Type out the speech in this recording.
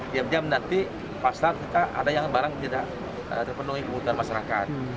diam diam nanti pasar kita ada yang barang tidak terpenuhi kebutuhan masyarakat